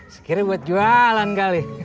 sekiranya buat jualan kali